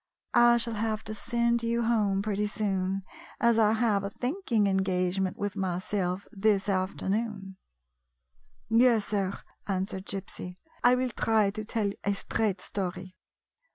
I shall have to send you A CONFIDENTIAL TALK home pretty soon, as I have a thinking engage ment with myself this afternoon." " Yes, sir," answered Gypsy, " I will try to tell a straight story.